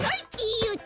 よっと！